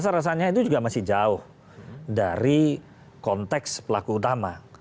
saya rasanya itu juga masih jauh dari konteks pelaku utama